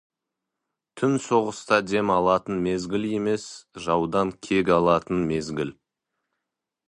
Түн соғыста дем алатын мезгіл емес, жаудан кек алатын мезгіл.